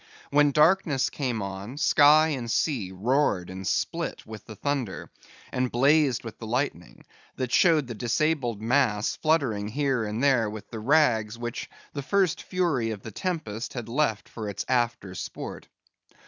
When darkness came on, sky and sea roared and split with the thunder, and blazed with the lightning, that showed the disabled masts fluttering here and there with the rags which the first fury of the tempest had left for its after sport.